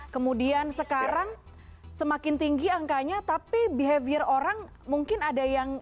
kemudian sekarang semakin tinggi angkanya tapi behavior orang mungkin ada yang